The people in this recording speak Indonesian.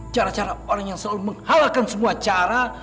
cara cara orang yang selalu menghalalkan semua cara